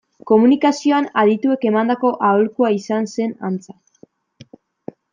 Komunikazioan adituek emandako aholkua izan zen, antza.